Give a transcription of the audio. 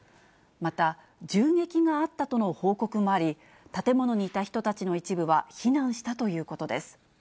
また銃撃があったとの報告もあり、建物にいた人たちの一部は避難したということです。